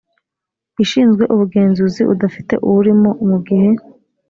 ishinzwe ubugenzuzi udafite uwurimo mu gihe